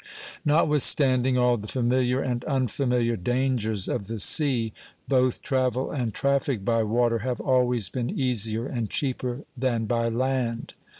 Notwithstanding all the familiar and unfamiliar dangers of the sea, both travel and traffic by water have always been easier and cheaper than by land.